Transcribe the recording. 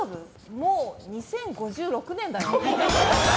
もう２０５６年だよ。